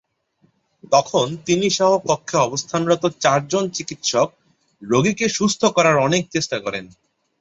তখন তিনিসহ কক্ষে অবস্থানরত চারজন চিকিৎসক রোগীকে সুস্থ করার অনেক চেষ্টা করেন।